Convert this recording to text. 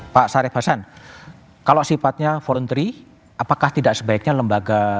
pak sarif hasan kalau sifatnya forei apakah tidak sebaiknya lembaga